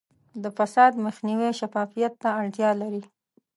د فساد مخنیوی شفافیت ته اړتیا لري.